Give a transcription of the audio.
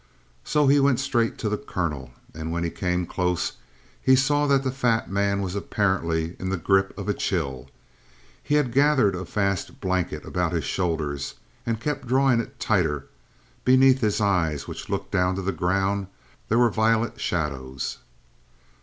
So he went straight to the colonel, and when he came close he saw that the fat man was apparently in the grip of a chill. He had gathered a vast blanket about his shoulders and kept drawing it tighter; beneath his eyes, which looked down to the ground, there were violet shadows.